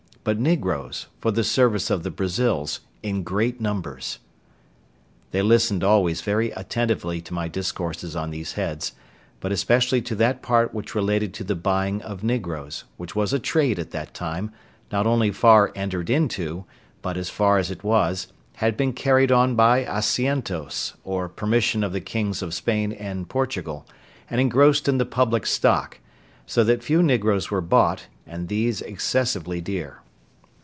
but negroes, for the service of the Brazils, in great numbers. They listened always very attentively to my discourses on these heads, but especially to that part which related to the buying of negroes, which was a trade at that time, not only not far entered into, but, as far as it was, had been carried on by assientos, or permission of the kings of Spain and Portugal, and engrossed in the public stock: so that few negroes were bought, and these excessively dear.